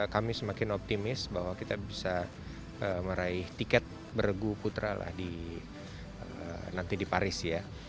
kami semakin optimis bahwa kita bisa meraih tiket bergu putra nanti di paris ya